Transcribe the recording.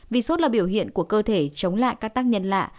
vì sốt là biểu hiện của cơ thể chống lại các tác nhân lạ